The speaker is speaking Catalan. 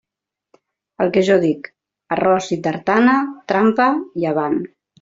El que jo dic: «arròs i tartana»..., trampa i avant.